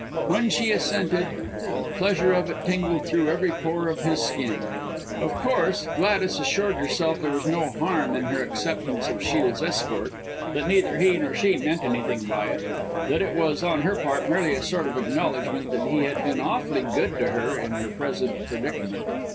When she assented, the pleasure of it tingled through every pore of his skin. Of course, Gladys assured herself there was no harm in her acceptance of Shiel's escort that neither he nor she meant anything by it that it was on her part merely a sort of an acknowledgment that he had been awfully good to her in her present predicament.